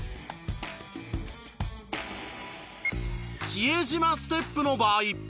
比江島ステップの場合。